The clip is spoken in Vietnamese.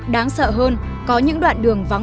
đáng sợ hơn có những đoạn đường vô dụng